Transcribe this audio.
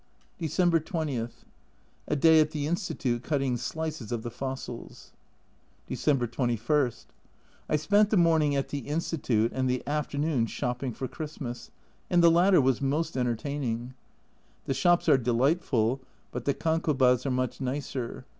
December 20. A day at the Institute cutting slices of the fossils. December 21. I spent the morning at the Institute and the afternoon shopping for Christmas, and the latter was most entertaining. The shops are de lightful, but the kankobas are much nicer.